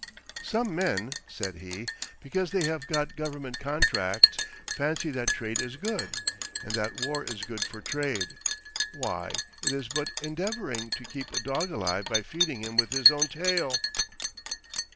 "Some men," said he, "because they have got government contracts, fancy that trade is good, and that war is good for trade. Why, it is but endeavoring to keep a dog alive by feeding him with his own tail."